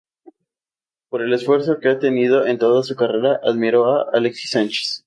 Por el esfuerzo que ha tenido en toda su carrera, admiro a Alexis Sánchez.